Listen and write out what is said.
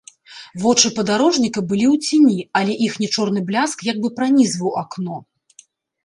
Вочы падарожніка былі ў цені, але іхні чорны бляск як бы пранізваў акно.